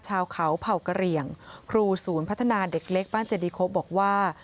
นางสาวมนวลีพยุงเคียรีมาก